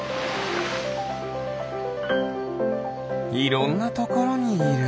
いろんなところにいる。